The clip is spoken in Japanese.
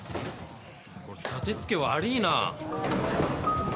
これ立て付け悪いな。